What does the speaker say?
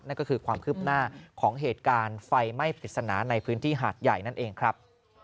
นั่นก็คือความคืบหน้าของเหตุการณ์ไฟไหม้ปริศนาในพื้นที่หาดใหญ่นั่นเองครับ